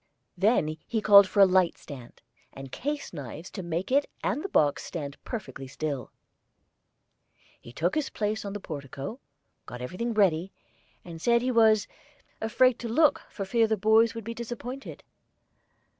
Then he called for a light stand, and case knives to make it and the box stand perfectly still. He took his place on the portico, got everything ready, and said he was "afraid to look for fear the boys would be disappointed."